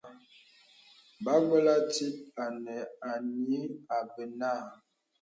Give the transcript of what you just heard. Gbə̀gbə̀lə̀ tìt ànə a nyì abə nà.